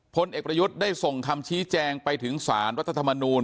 พลเอกประยุทธ์ได้ส่งคำชี้แจงไปถึงสารรัฐธรรมนูล